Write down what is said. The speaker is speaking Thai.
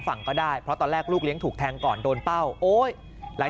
ก็ได้เพราะตอนแรกลูกเลี้ยงถูกแทงก่อนโดนเป้าโอ๊ยหลาย